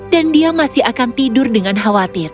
dia masih akan tidur dengan khawatir